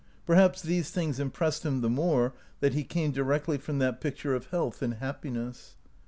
Perhaps these things impressed him the more that he came directly from that picture of health and hap piness.